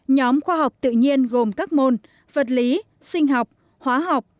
nhóm khoa học tự nhiên gồm các môn vật lý sinh học hóa học